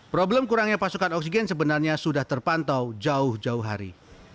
problem kurangnya pasokan oksigen sebenarnya sudah terpantau jauh jauh hari